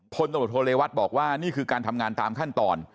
พลตำรวจโทเรวัตบอกว่านี่คือการทำงานตามขั้นตอน